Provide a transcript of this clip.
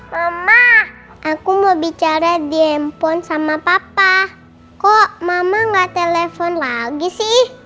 mama aku mau bicara di handphone sama papa kok mama gak telepon lagi sih